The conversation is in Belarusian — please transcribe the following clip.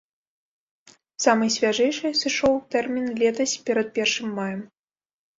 Самай свяжэйшай сышоў тэрмін летась перад першым маем.